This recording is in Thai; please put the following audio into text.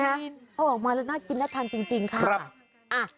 กินเอาออกมาแล้วน่ากินน่าทานจริงค่ะ